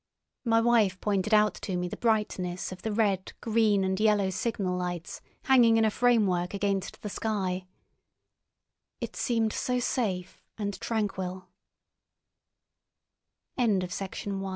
My wife pointed out to me the brightness of the red, green, and yellow signal lights hanging in a framework against the sky. It seemed so safe and tranquil. II. THE FALLING STAR.